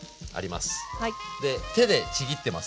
で手でちぎってます